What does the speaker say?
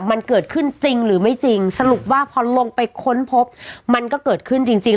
มันเกิดขึ้นจริงหรือไม่จริงสรุปว่าพอลงไปค้นพบมันก็เกิดขึ้นจริงจริง